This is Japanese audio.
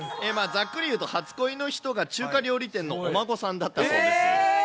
ざっくり言うと、初恋の人が中華料理店のお孫さんだったそうです。